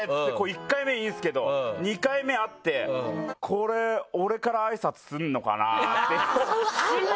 １回目、いいんですけど２回目会ってこれ、俺からあいさつするのかな。